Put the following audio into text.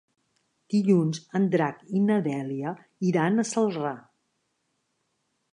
Dilluns en Drac i na Dèlia iran a Celrà.